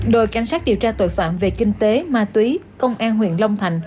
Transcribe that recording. đội cảnh sát điều tra tội phạm về kinh tế ma túy công an huyện long thành